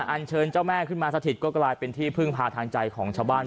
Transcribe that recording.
อันเชิญเจ้าแม่ขึ้นมาสถิตก็กลายเป็นที่พึ่งพาทางใจของชาวบ้าน